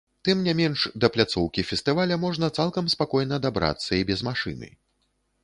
Тым не менш, да пляцоўкі фестываля можна цалкам спакойна дабрацца і без машыны.